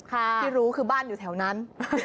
ที่รู้คือบ้านอยู่แถวนั้น